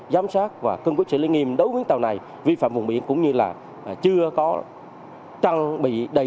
giám sát và cung cấp sự linh nghiệm đối với tàu này vi phạm vùng biển cũng như là chưa có trang bị đầy